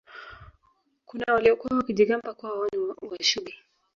kuna waliokuwa wakijigamba kuwa wao ni Washubi